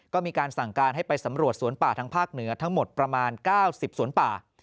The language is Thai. ก็มีการสั่งการให้ไปสำรวจสวนป่าทางภาคเหนือทั้งหมดประมาณ๙๐สวนป่า